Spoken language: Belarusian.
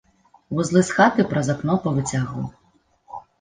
Вузлы з хаты праз акно павыцягваў.